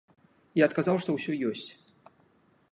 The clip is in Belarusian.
Я адказаў, што ўсё ёсць.